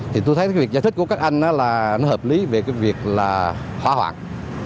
thì tôi thấy việc giải thích của các anh nó là nó hợp lý về cái việc là hóa hoạng